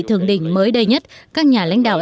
thường đỉnh mới đây nhất các nhà lãnh đạo